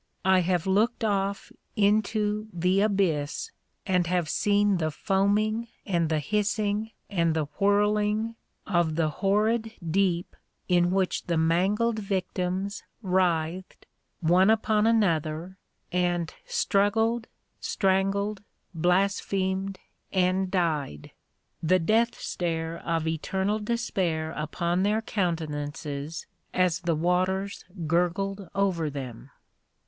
I have looked off into the abyss and have seen the foaming, and the hissing, and the whirling of the horrid deep in which the mangled victims writhed, one upon another, and struggled, strangled, blasphemed, and died the death stare of eternal despair upon their countenances as the waters gurgled over them.